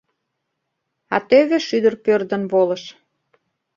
А тӧвӧ шӱдыр пӧрдын волыш.